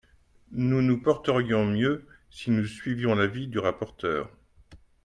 Nous nous porterions mieux si nous suivions l’avis du rapporteur.